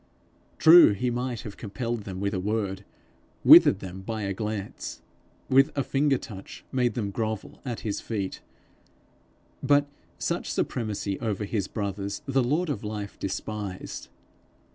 True, he might have compelled them with a word, withered them by a glance, with a finger touch made them grovel at his feet; but such supremacy over his brothers the Lord of life despised.